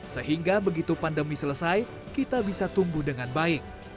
sehingga begitu pandemi selesai kita bisa tumbuh dengan baik